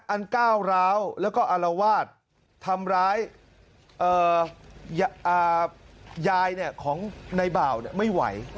อันก้าวร้าวแล้วก็อารวาสทำร้ายเอ่อยายเนี่ยของนายบ่าวเนี่ยไม่ไหว